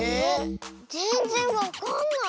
ぜんぜんわかんない。